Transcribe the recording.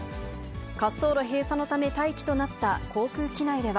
滑走路閉鎖のため待機となった航空機内では。